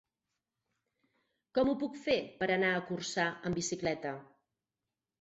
Com ho puc fer per anar a Corçà amb bicicleta?